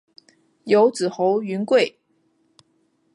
有子侯云桂。